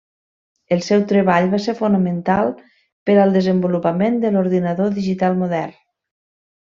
El seu treball va ser fonamental per al desenvolupament de l'ordinador digital modern.